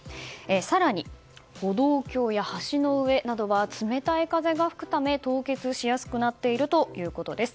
更に、歩道橋や橋の上などは冷たい風が吹くため凍結しやすくなっているということです。